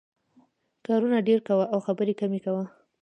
کارونه ډېر کوه او خبرې کمې کوه.